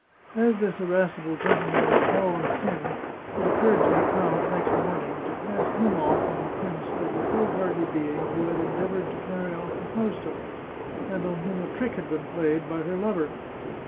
As this irascible gentleman was tall and thin, it occurred to the count, next morning, to pass him oflf on the prince as the foolhardy being who had endeavoured to carry off the Fausta, and on whom a trick had been played by her lover.